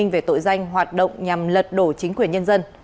về tội danh hoạt động nhằm lật đổ chính quyền nhân dân